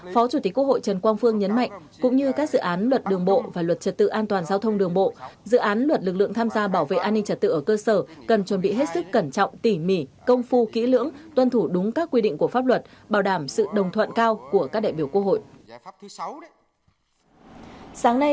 phó chủ tịch quốc hội trần quang phương nhấn mạnh cũng như các dự án luật đường bộ và luật trật tự an toàn giao thông đường bộ dự án luật lực lượng tham gia bảo vệ an ninh trật tự ở cơ sở cần chuẩn bị hết sức cẩn trọng tỉ mỉ công phu kỹ lưỡng tuân thủ đúng các quy định của pháp luật bảo đảm sự đồng thuận cao của các đại biểu quốc hội